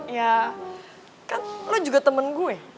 ya kan lo juga temen gue